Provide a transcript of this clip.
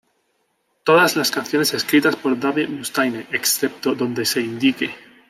Todas las canciones escritas por Dave Mustaine, excepto donde se indique.